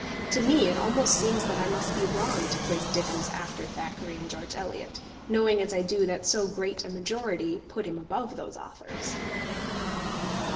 To me it almost seems that I must be wrong to place Dickens after Thackeray and George Eliot, knowing as I do that so great a majority put him above those authors.